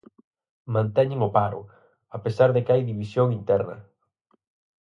Manteñen o paro, a pesar de que hai división interna.